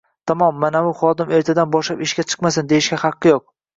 “tamom, manavi xodim ertadan boshlab ishga chiqmasin” deyishga haqqi yo‘q.